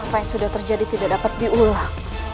apa yang sudah terjadi tidak dapat diulang